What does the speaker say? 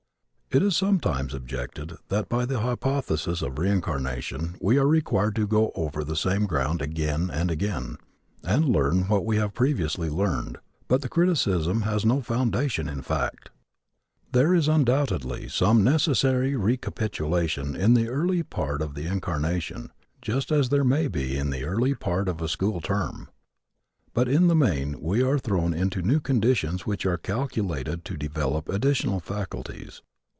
It is sometimes objected that by the hypothesis of reincarnation we are required to go over the same ground again and again and learn what we have previously learned. But the criticism has no foundation in fact. There is undoubtedly some necessary recapitulation in the early part of the incarnation, just as there may be in the early part of a school term. But in the main we are thrown into new conditions which are calculated to develop additional faculties.